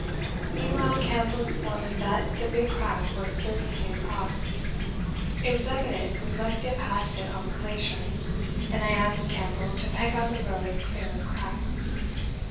Meanwhile Campbell informed me that the big crack was 30 feet across: it was evident we must get past it on the glacier, and I asked Campbell to peg out a road clear of cracks.